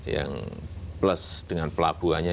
yang plus dengan pelabuhannya